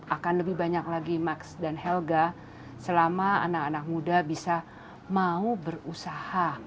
akan lebih banyak lagi max dan helga selama anak anak muda bisa mau berusaha